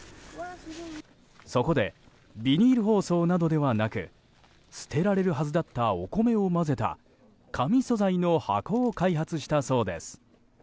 そこでビニール包装などではなく捨てられるはずだったお米を混ぜた紙素材の箱を開発したそうです。